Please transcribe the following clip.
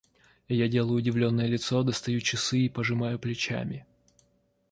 Я делаю удивленное лицо, достаю часы и пожимаю плечами.